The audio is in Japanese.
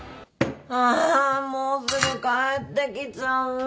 あもうすぐ帰ってきちゃう。